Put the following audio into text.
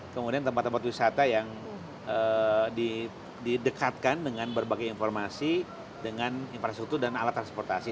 kemudian tempat tempat wisata yang didekatkan dengan berbagai informasi dengan infrastruktur dan alat transportasi